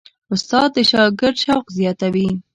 استاد د شاګرد شوق زیاتوي.